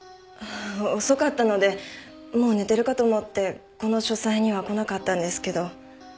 遅かったのでもう寝てるかと思ってこの書斎には来なかったんですけど。